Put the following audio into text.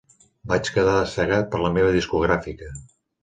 Vaig quedar cegat per la meva discogràfica.